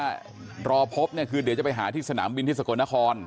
รอพบทนายตั้มนะรอพบเนี่ยคือเดี๋ยวจะไปหาที่สนามบินที่สะกดนคร